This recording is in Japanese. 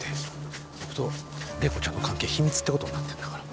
僕と麗子ちゃんの関係秘密ってことになってんだから。